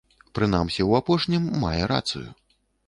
Прынамсі ў апошнім мае рацыю.